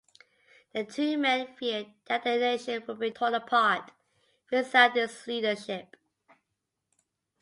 The two men feared that the nation would be torn apart without his leadership.